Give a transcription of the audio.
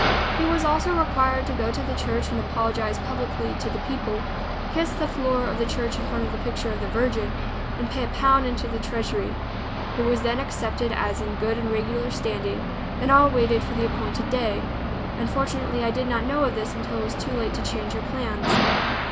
He was also required to go to the church and apologize publicly to the people, kiss the floor of the church in front of the picture of the Virgin, and pay a pound into the treasury. He was then accepted as in good and regular standing, and all waited for the appointed day. Unfortunately I did not know of this until it was too late to change our plans.